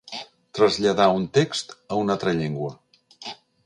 Traslladà un text a una altra llengua.